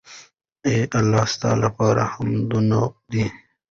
اې الله ! ستا لپاره حمدونه دي